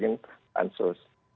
kita mengusulkan pansus